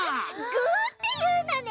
ぐーっていうのね！